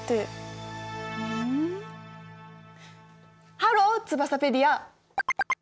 ハローツバサペディア！